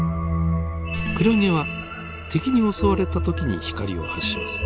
クラゲは敵に襲われた時に光を発します。